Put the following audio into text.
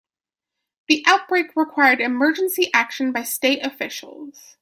The outbreak required emergency action by state officials.